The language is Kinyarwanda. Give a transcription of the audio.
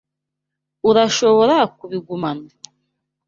Urashobora kubigumana?